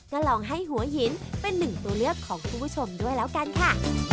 ก็ลองให้หัวหินเป็นหนึ่งตัวเลือกของคุณผู้ชมด้วยแล้วกันค่ะ